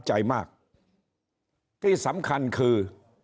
ใจมากที่สำคัญคือ